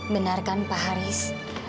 bener kan pak haris